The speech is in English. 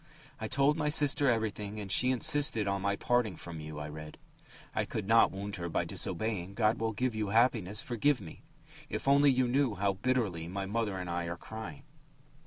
"I told my sister everything and she insisted on my parting from you," I read. "I could not wound her by disobeying. God will give you happiness. Forgive me. If only you knew how bitterly my mother and I are crying!"